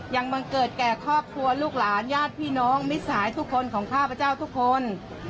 บังเกิดแก่ครอบครัวลูกหลานญาติพี่น้องมิสัยทุกคนของข้าพเจ้าทุกคน